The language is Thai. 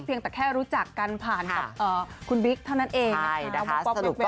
ยังแต่แค่รู้จักกันผ่านกับคุณบิ๊กเท่านั้นเอง